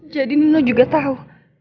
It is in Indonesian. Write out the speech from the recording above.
jadi nuno juga tahu